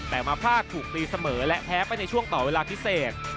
แต่มาพลาดถูกตีเสมอและแพ้ไปในช่วงต่อเวลาพิเศษ